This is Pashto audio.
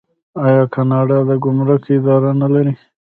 آیا کاناډا د ګمرک اداره نلري؟